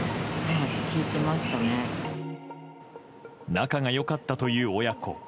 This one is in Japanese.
仲が良かったという親子。